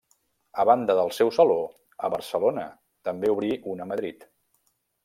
A banda del seu saló a Barcelona, també obrí un a Madrid.